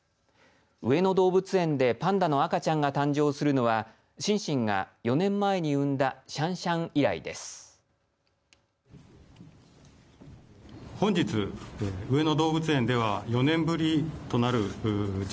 上野動物園でパンダの赤ちゃんが誕生するのはシンシンが４年前に産んだシャンシャン以来です。